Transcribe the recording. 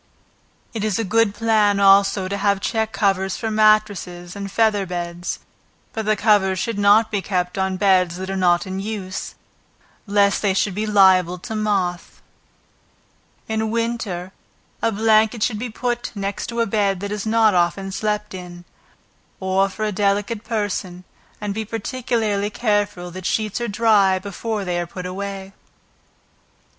It is a good plan also to have check covers for matresses and feather beds, but the covers should not be kept on beds that are not in use, lest they should be liable to moth. In winter a blanket should be put next a bed that is not often slept in, or for a delicate person, and be particularly careful, that sheets are dry before they are put away.